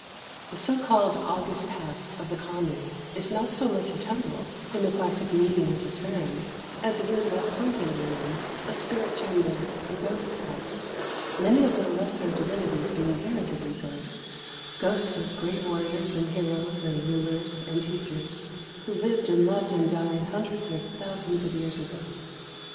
The so called ''august house" of the Kami is not so much a temple, in the classic meaning of the term, as it is a haunted room, a spirit chamber, a ghost house; many of the lesser divinities being veritably ghosts, — ghosts of great war riors and heroes and rulers and teachers, who lived and loved and died hundreds or thousands of years ago.